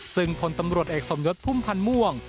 ซึ่งพลตำรวจเอกสมยศพุ่มพันธ์ม่วง